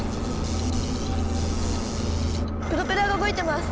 プロペラが動いてます！